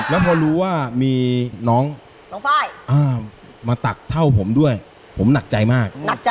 แล้วพอรู้ว่ามีน้องน้องไฟล์มาตักเท่าผมด้วยผมหนักใจมาก